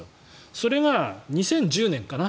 それが、２０１０年かな？